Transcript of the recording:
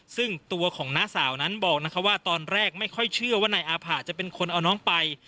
ซึ่งตัวของน้าสาวนั้นบอกว่าตอนแรกไม่ค่อยเชื่อว่านายอาผะจะเป็นคนเอาน้องไป